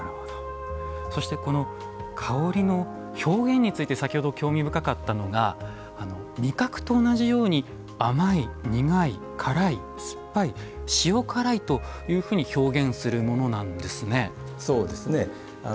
そして香りの表現について興味深かったのが味覚と同じように甘い、苦い辛い、酸っぱい、塩辛いと表現するものなんですね。